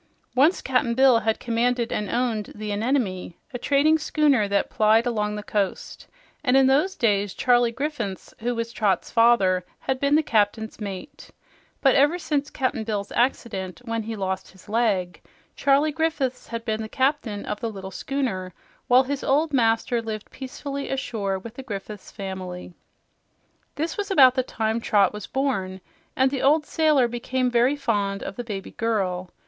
Once Cap'n Bill had commanded and owned the "Anemone," a trading schooner that plied along the coast; and in those days Charlie Griffiths, who was Trot's father, had been the Captain's mate. But ever since Cap'n Bill's accident, when he lost his leg, Charlie Griffiths had been the captain of the little schooner while his old master lived peacefully ashore with the Griffiths family. This was about the time Trot was born, and the old sailor became very fond of the baby girl.